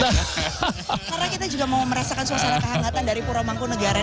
karena kita juga mau merasakan suasana kehangatan dari pura mangku negara ini